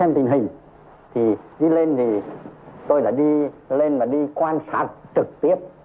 xem tình hình thì đi lên thì tôi đã đi lên và đi quan sát trực tiếp